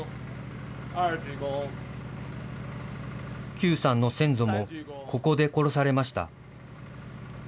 邱さんの先祖も、ここで殺されました。